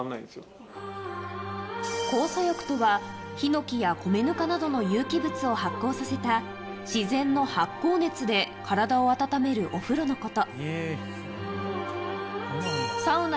酵素浴とは、ヒノキや米ぬかなどの有機物を発酵させた自然の発酵熱で体を温めるお風呂のこと。